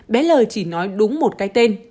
bé l chỉ nói đúng một cái tên